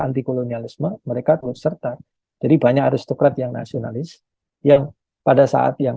antikolonialisme mereka terus serta jadi banyak aristokrat yang nasionalis yang pada saat yang